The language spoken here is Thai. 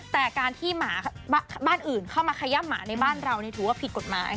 แต่ในบ้านอื่นเข้ามาขยับหมาในบ้านเราถือว่าผิดกฎมาก